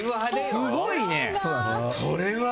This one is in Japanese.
すごいね。